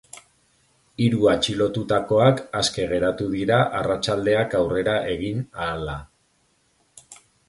Hiru atxilotutakoak aske geratu dira arratsaldeak aurrera egin ahala.